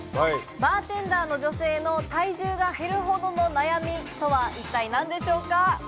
バーテンダーの女性の体重が減るほどの悩みとは一体何でしょうか？